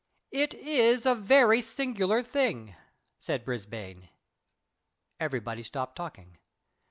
"It is a very singular thing," said Brisbane. Everybody stopped talking.